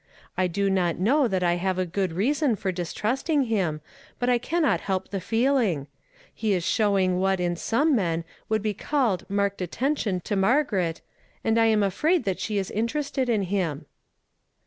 1 do not know that I have good reason for distrusting him, but I cannot help the feeling. He is showing what in some men would be called marked attention to Maigaret, and I am afraid that she is interested in him."